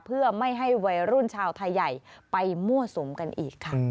เพื่อไม่ให้วัยรุ่นชาวไทยใหญ่ไปมั่วสุมกันอีกค่ะ